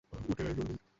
উঠে আয়, জলদি।